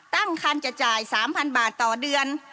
ตั้งคันจะจ่าย๓๐๐บาทต่อเดือน